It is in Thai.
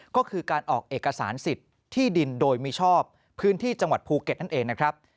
ก็คือการออกเอกสารสิทธิ์ที่ดินโดยมิชอบพื้นที่จังหวัดภูเก็ตนั่นเองนะครับ